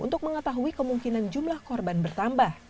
untuk mengetahui kemungkinan jumlah korban bertambah